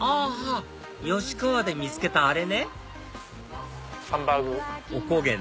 吉川で見つけたあれねハンバーグ。